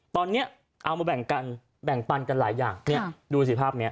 ตอนนี้เอามาแบ่งกันแบ่งปันกันหลายอย่างเนี่ยดูสิภาพเนี้ย